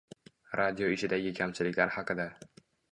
Radio ishidagi kamchiliklar haqida.